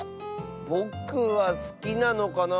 ぼくはすきなのかなあ。